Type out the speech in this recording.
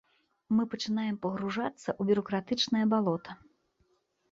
Мы пачынаем пагружацца ў бюракратычнае балота.